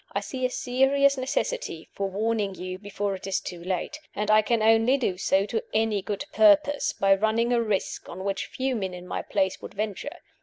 I see a serious necessity for warning you before it is too late; and I can only do so to any good purpose by running a risk on which few men in my place would venture.